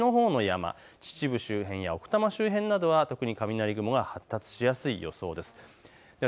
関東の西のほうの山、秩父周辺や奥多摩周辺などは特に雷雲が発達しやすい予想です。